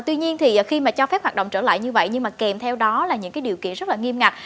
tuy nhiên thì khi mà cho phép hoạt động trở lại như vậy nhưng mà kèm theo đó là những cái điều kiện rất là nghiêm ngặt